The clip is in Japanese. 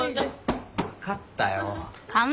分かったよ。